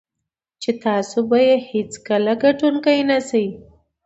چې تاسو به یې هېڅکله ګټونکی نه شئ.